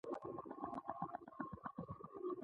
د الفا ذرات په کاغذ هم بندېږي.